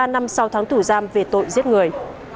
một mươi ba năm sau tháng thủ giam về tội giết người